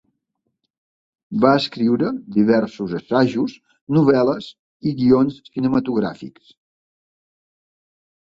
Va escriure diversos assajos, novel·les i guions cinematogràfics.